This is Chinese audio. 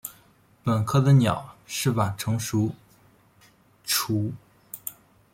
本科的鸟是晚成雏。